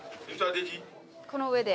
この上で？